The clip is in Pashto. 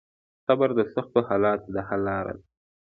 صبر د سختو حالاتو د حل لار ده.